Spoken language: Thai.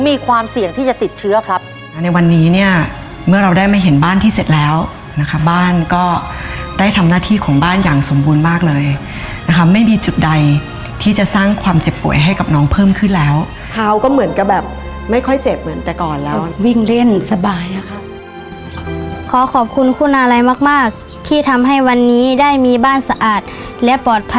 มีความเสี่ยงที่จะติดเชื้อครับอ่าในวันนี้เนี่ยเมื่อเราได้ไม่เห็นบ้านที่เสร็จแล้วนะคะบ้านก็ได้ทำหน้าที่ของบ้านอย่างสมบูรณ์มากเลยนะคะไม่มีจุดใดที่จะสร้างความเจ็บป่วยให้กับน้องเพิ่มขึ้นแล้วเขาก็เหมือนกับแบบไม่ค่อยเจ็บเหมือนแต่ก่อนเราวิ่งเล่นสบายอะค่ะขอขอบคุณคุณอะไรมากมากที่ทำให้วันนี้ได้มีบ้านสะอาดและปลอดภัย